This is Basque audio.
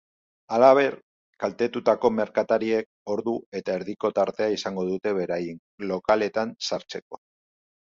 Halaber, kaltetutako merkatariek ordu eta erdiko tartea izango dute beraien lokaletan sartzeko.